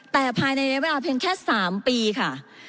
แต่ภายในระยะเวลาเพียงแค่๓ปีค่ะ